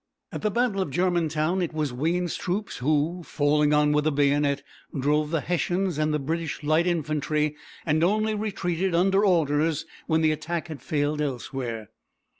At the battle of Germantown it was Wayne's troops who, falling on with the bayonet, drove the Hessians and the British light infantry, and only retreated under orders when the attack had failed elsewhere.